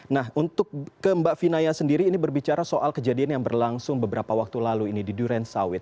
nah untuk ke mbak vinaya sendiri ini berbicara soal kejadian yang berlangsung beberapa waktu lalu ini di duren sawit